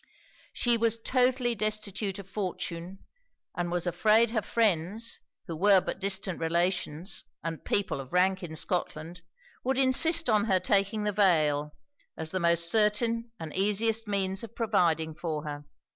'"She was totally destitute of fortune; and was afraid her friends, who were but distant relations, and people of rank in Scotland, would insist on her taking the veil, as the most certain and easiest means of providing for her.